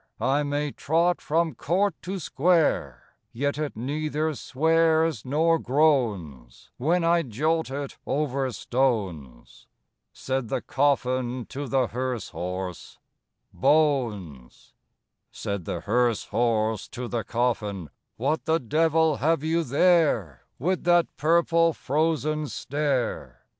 I may trot from court to square, Yet it neither swears nor groans, When I jolt it over stones." Said the coffin to the hearse horse, "Bones!" Said the hearse horse to the coffin, "What the devil have you there, With that purple frozen stare?